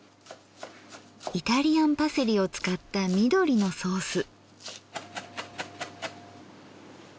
イタリアンパセリを使った緑のソース。